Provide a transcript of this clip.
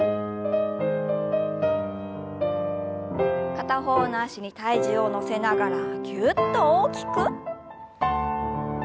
片方の脚に体重を乗せながらぎゅっと大きく。